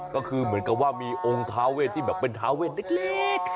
ก็คือเหมือนกับว่ามีองค์ทาเวทที่แบบเป็นทาเวทเล็ก